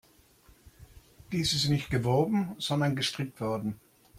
Dies ist nicht gewoben, sondern gestrickt worden.